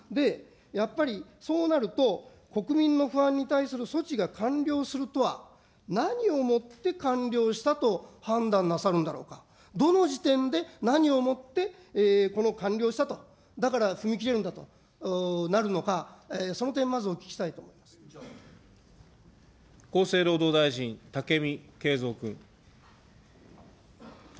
やっぱりそうなると、国民の不安に対する措置が完了するとは、何をもって完了したと判断なさるんだろうか、どの時点で何をもって、完了したと、だから踏み切れるんだとなるのか、その点、まず、お聞きしたいと思厚生労働大臣、武見敬三君。